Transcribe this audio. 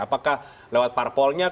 apakah lewat parpolnya